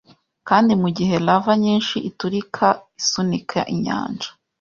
kandi mugihe lava nyinshi iturika isunika inyanja